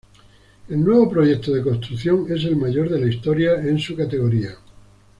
El nuevo proyecto de construcción es el mayor de la historia en su categoría.